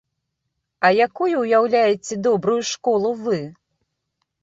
А якой уяўляеце добрую школу вы?